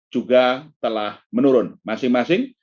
juga telah menurun masing masing